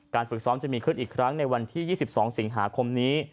ฝึกซ้อมจะมีขึ้นอีกครั้งในวันที่๒๒สิงหาคมนี้